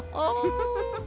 フフフフ。